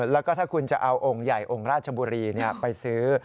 แล้วก็ถ้าคุณจะเอาองค์ใหญ่องค์ราชบุรีไปซื้อ